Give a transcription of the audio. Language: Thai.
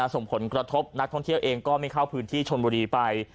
ส่งผลกระทบนักท่องเที่ยวเองก็ไม่เข้าพื้นที่ชนบุรีไป